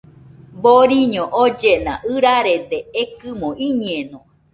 Boriño oñellena, ɨrarede ekɨmo iñeno